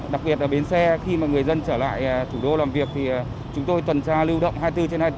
đặc biệt là bến xe khi mà người dân trở lại thủ đô làm việc thì chúng tôi tuần tra lưu động hai mươi bốn trên hai mươi bốn